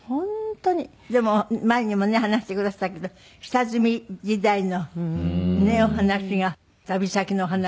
でも前にもね話してくだすったけど下積み時代のねえお話が旅先のお話が。